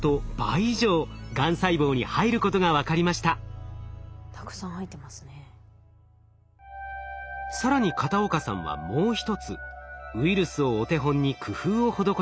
更に片岡さんはもう一つウイルスをお手本に工夫を施しました。